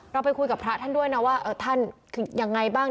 ไปคุยกับพระท่านด้วยนะว่าท่านคือยังไงบ้าง